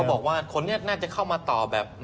บอกว่าคนนี้น่าจะเข้ามาต่อแบบ